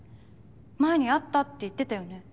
前に会ったって言ってたよね？